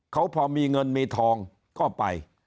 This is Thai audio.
เขาพอมีเงินมีทองก็ไป